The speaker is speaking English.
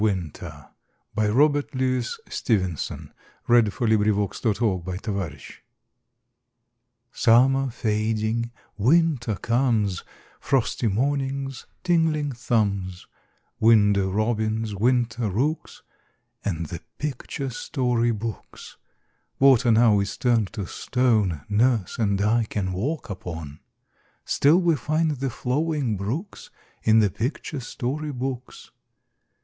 How great and cool the rooms! PICTURE BOOKS IN WINTER Summer fading, winter comes Frosty mornings, tingling thumbs, Window robins, winter rooks, And the picture story books. Water now is turned to stone Nurse and I can walk upon; Still we find the flowing brooks In the picture story books.